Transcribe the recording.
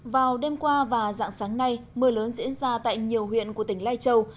vào đêm qua và dạng sáng nay mưa lớn diễn ra tại nhiều huyện của tỉnh lai châu